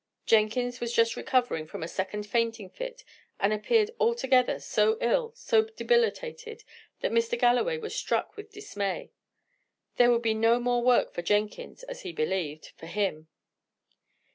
Jenkins was just recovering from a second fainting fit, and appeared altogether so ill, so debilitated, that Mr. Galloway was struck with dismay. There would be no more work from Jenkins as he believed for him.